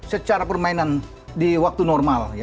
secara permainan di waktu normal